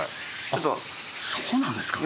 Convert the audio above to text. あっそうなんですか？